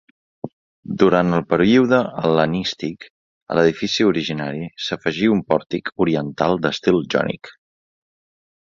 Durant el període hel·lenístic a l'edifici originari s'afegí un pòrtic oriental d'estil jònic.